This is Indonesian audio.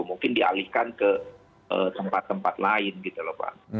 mungkin dialihkan ke tempat tempat lain gitu loh pak